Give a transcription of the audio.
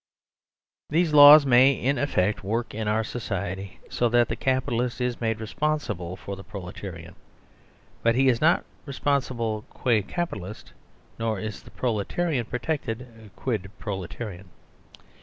These laws may in effect work in our society so that the Capitalist is made responsible for the Proletarian, but he is not responsible qua Capitalist, nor is the Proletarian pro tected qud Proletarian.